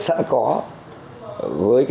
sẵn có với